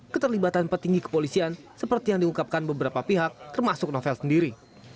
keterlibatan petinggi kepolisian seperti yang diungkapkan beberapa pihak termasuk novel sendiri